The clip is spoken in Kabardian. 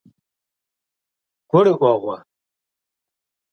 ГурыӀуэгъуэ?